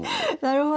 なるほど。